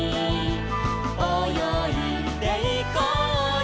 「およいでいこうよ」